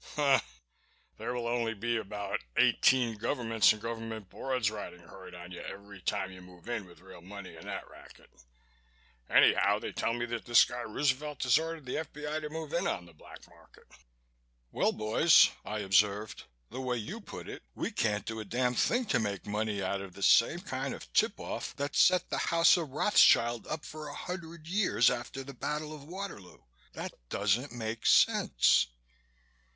"There will be only about eighteen governments and government boards riding herd on you every time you move in with real money in that racket. Anyhow, they tell me that this guy Roosevelt has ordered the F.B.I. to move in on the Black Market." "Well, boys," I observed, "the way you put it we can't do a damn thing to make money out of the same kind of tip off that set the House of Rothschild up for a hundred years after the Battle of Waterloo. That doesn't make sense."